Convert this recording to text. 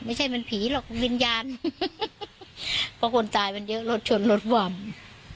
ไม่ใช่มันผีหรอกวิญญาณเพราะคนตายมันเยอะรถชนรถว่ำ